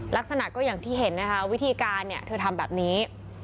ลักษณะก็อย่างที่เห็นนะคะวิธีการเนี่ยเธอทำแบบนี้